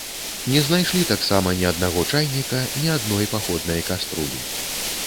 Не знайшлі таксама ні аднаго чайніка, ні адной паходнай каструлі.